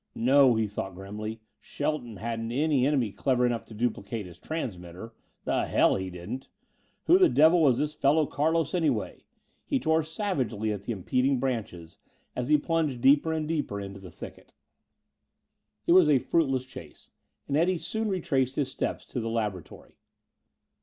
No, he thought grimly, Shelton hadn't any enemy clever enough to duplicate his transmitter! The hell he didn't! Who the devil was this fellow Carlos anyway? He tore savagely at the impeding branches as he plunged deeper and deeper into the thicket. It was a fruitless chase and Eddie soon retraced his steps to the laboratory.